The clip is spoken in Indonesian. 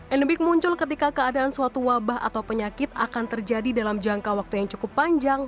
endemik muncul ketika keadaan suatu wabah atau penyakit akan terjadi dalam jangka waktu yang cukup panjang